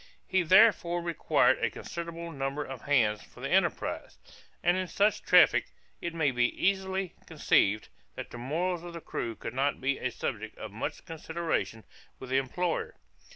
He therefore required a considerable number of hands for the enterprise; and in such a traffic, it may be easily conceived, that the morals of the crew could not be a subject of much consideration with the employer.